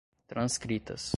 transcritas